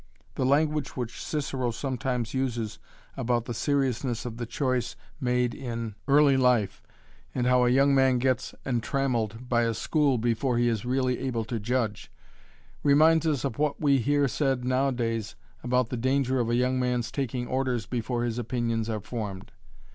The language which Cicero sometimes uses about the seriousness of the choice made in early life and how a young man gets entrammelled by a school before he is really able to judge, reminds us of what we hear said nowadays about the danger of a young man's taking orders before his opinions are formed.